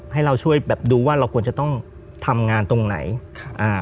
ให้เราช่วยแบบดูว่าเราควรจะต้องทำงานตรงไหนครับอ่า